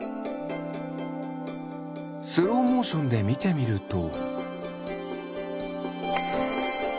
スローモーションでみてみると。